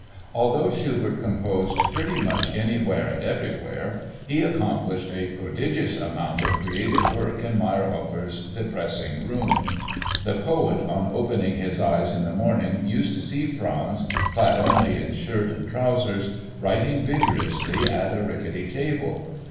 Although Schubert composed pretty much anywhere and everywhere he accomplished a prodigious amount of creative work in Mayrhofer's depressing room. The poet on opening his eyes in the morning used to see Franz, clad only in shirt and trousers, writing vigorously at a rickety table.